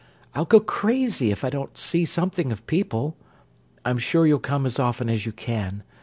I'll go crazy if I don't see something of people. I'm sure you'll come as often as you can.